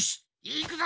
いくぞ。